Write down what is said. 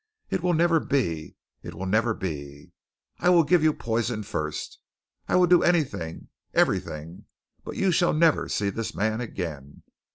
It will never be! It will never be! I will give you poison first. I will do anything, everything, but you shall never see this man again.